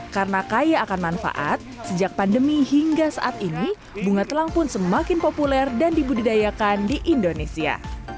karena kaya akan manfaat sejak pandemi hingga saat ini bunga telang pun semakin populer dan dibudidayakan di indonesia